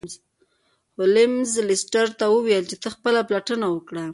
هولمز لیسټرډ ته وویل چې ته خپله پلټنه وکړه.